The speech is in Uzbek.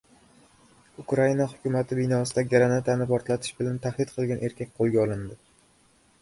Ukraina hukumati binosida granatani portlatish bilan tahdid qilgan erkak qo‘lga olindi